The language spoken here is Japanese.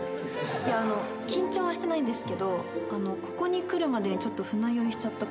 いやあの緊張はしてないんですけどここに来るまでにちょっと船酔いしちゃったかもです。